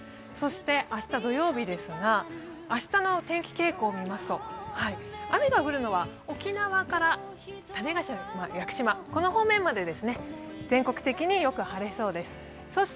明日土曜日ですが、明日の天気傾向を見ますと雨が降るのは沖縄から種子島、屋久島、この方面までですね、全国的によく晴れそうです。